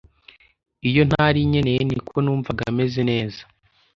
iyo ntari nkeneye, niko numvaga meze neza.